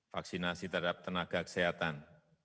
vaksinasi terhadap tenaga kesehatan